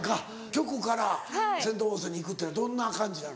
局からセント・フォースに行くっていうのはどんな感じなの？